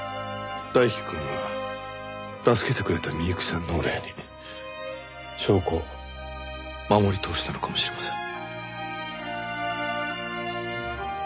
大樹くんは助けてくれた美由紀さんのお礼に証拠を守り通したのかもしれません。